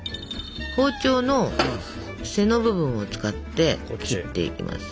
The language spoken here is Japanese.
包丁の背の部分を使って切っていきます。